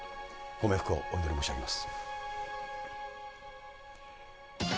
ご冥福をお祈り申し上げます。